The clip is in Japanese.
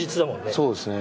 そうですね。